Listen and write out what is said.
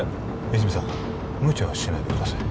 泉さんむちゃはしないでください